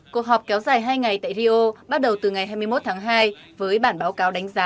cuộc họp kéo dài hai ngày tại rio bắt đầu từ ngày hai mươi một tháng hai với bản báo cáo đánh giá